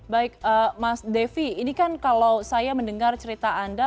baik mas devi ini kan kalau saya mendengar cerita anda